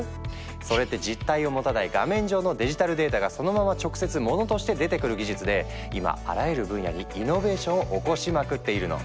それって実体を持たない画面上のデジタルデータがそのまま直接モノとして出てくる技術で今あらゆる分野にイノベーションを起こしまくっているの。